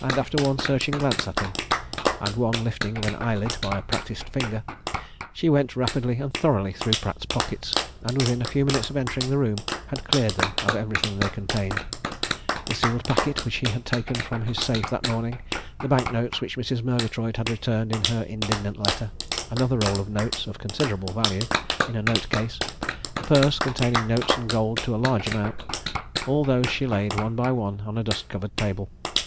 And after one searching glance at him, and one lifting of an eyelid by a practised finger, she went rapidly and thoroughly through Pratt's pockets, and within a few minutes of entering the room had cleared them of everything they contained. The sealed packet which he had taken from his safe that morning; the bank notes which Mrs. Murgatroyd had returned in her indignant letter; another roll of notes, of considerable value, in a note case; a purse containing notes and gold to a large amount all those she laid one by one on a dust covered table.